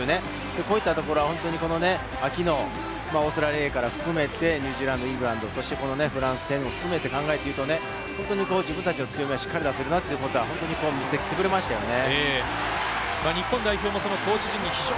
こういったところは、オーストラリアから含めてニュージーランド、イングランド、フランス戦も含めて考えていうと、自分たちの強みをしっかり出せるなということは見せてくれましたよね。